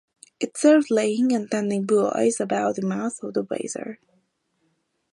It served laying and tending buoys about the mouth of the Weser.